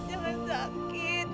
lia bangun jangan sakit